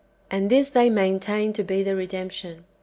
And this they maintain to be the redemption.